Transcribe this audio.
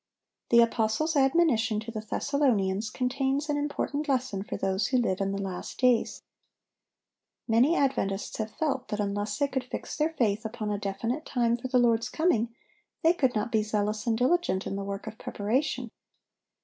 The apostle's admonition to the Thessalonians contains an important lesson for those who live in the last days. Many Adventists have felt that unless they could fix their faith upon a definite time for the Lord's coming, they could not be zealous and diligent in the work of preparation.